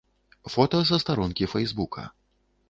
Фота са старонкі фэйсбука.